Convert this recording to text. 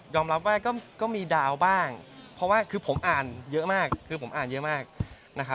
ยอมรับว่าก็มีดาวบ้างเพราะว่าคือผมอ่านเยอะมาก